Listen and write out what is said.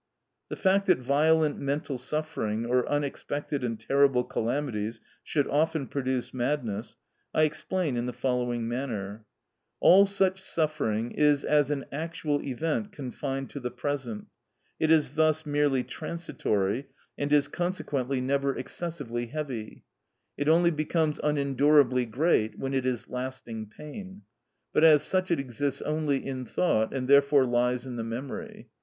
The fact that violent mental suffering or unexpected and terrible calamities should often produce madness, I explain in the following manner. All such suffering is as an actual event confined to the present. It is thus merely transitory, and is consequently never excessively heavy; it only becomes unendurably great when it is lasting pain; but as such it exists only in thought, and therefore lies in the memory.